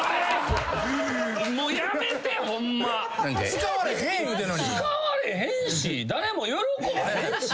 使われへんし誰も喜ばへんし。